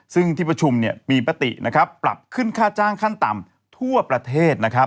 ซึ่งที่ประชุมมีปฏิปรับขึ้นค่าจ้างขั้นต่ำทั่วประเทศ